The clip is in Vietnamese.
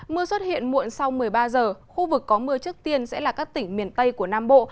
mưa xuất hiện muộn sau một mươi ba giờ khu vực có mưa trước tiên sẽ là các tỉnh miền tây của nam bộ